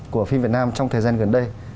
của phim việt nam trong thời gian gần đây